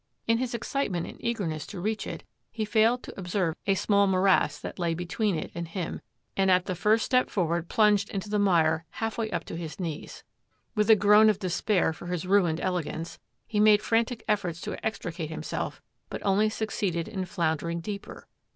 In his excitement and eagerness to reach it he failed to observe a small morass that lay between it and him, and at the first step forward plunged into the mire half way to his knees. With a groan of despair for his ruined elegance, he made frantic efforts to extricate himself, but only succeeded in floundering deeper.